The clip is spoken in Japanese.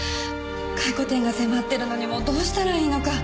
回顧展が迫ってるのにもうどうしたらいいのか。